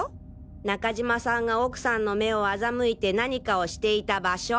中島さんが奥さんの目を欺いて何かをしていた場所。